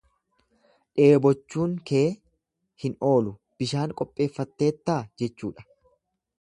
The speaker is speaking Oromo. Dheebochuun kee hin oolu bishaan qopheeffatteettaa jechuudha.